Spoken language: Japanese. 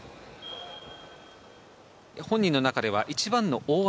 本人の中では、一番の大技。